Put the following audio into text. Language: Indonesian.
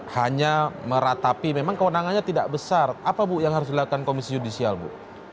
hanya meratapi memang kewenangannya tidak besar apa bu yang harus dilakukan komisi yudisial bu